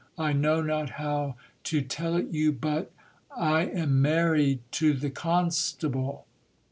I know not how to tell it you, but I am married to the constable.